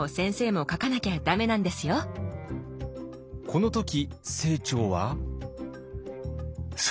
この時清張は。